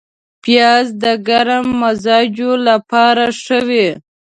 پیاز د ګرم مزاجو لپاره ښه وي